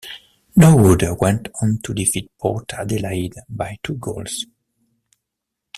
Norwood went on to defeat Port Adelaide by two goals.